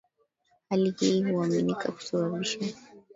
hali hii huaminika kusababisha